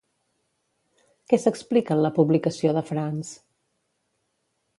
Què s'explica en la publicació de France?